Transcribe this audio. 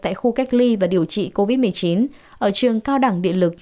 tại khu cách ly và điều trị covid một mươi chín ở trường cao đẳng địa lực tp hcm